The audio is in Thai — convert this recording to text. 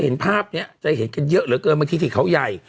เห็นภาพนี้จะเห็นกันเยอะเหลือเกินบางทีที่เขาใหญ่